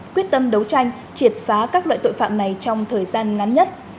quyết tâm đấu tranh triệt phá các loại tội phạm này trong thời gian ngắn nhất